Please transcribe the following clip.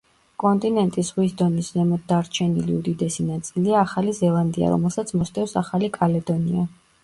კონტინენტის ზღვის დონის ზემოთ დარჩენილი უდიდესი ნაწილია ახალი ზელანდია, რომელსაც მოსდევს ახალი კალედონია.